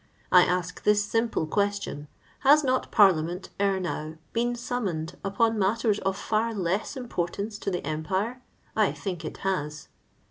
I a^ this simple question : Has not Parliament, ere now, been summoned U]X>n mutters of far less importance to the empire ? I think it has.